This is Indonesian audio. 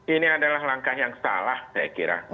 ini adalah langkah yang salah saya kira